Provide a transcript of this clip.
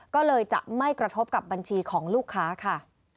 ก็เลยจะไม่กระทบกับบัญชีของลูกค้าค่ะ